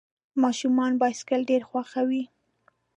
ماشومان بایسکل ډېر خوښوي.